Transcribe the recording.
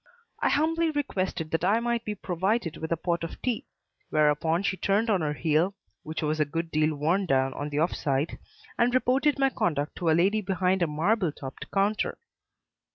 I humbly requested that I might be provided with a pot of tea; whereupon she turned on her heel (which was a good deal worn down on the offside) and reported my conduct to a lady behind a marble topped counter.